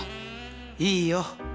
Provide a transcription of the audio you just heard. いいよ。